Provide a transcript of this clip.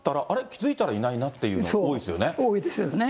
気付いたらいないなっていうのが多いで多いですね。